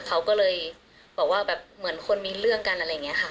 เขาก็เลยบอกว่าแบบเหมือนคนมีเรื่องกันอะไรอย่างนี้ค่ะ